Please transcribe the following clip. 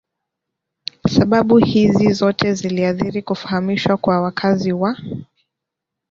Sababu hizi zote ziliathiri kufahamishwa kwa wakazi wa